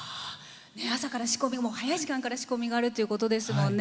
朝から早い時間から仕込みがあるということですもんね。